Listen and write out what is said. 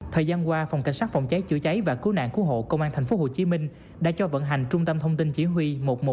thời gian qua phòng cảnh sát phòng cháy chữa cháy và cứu nạn cứu hộ công an tp hcm đã cho vận hành trung tâm thông tin chỉ huy một trăm một mươi một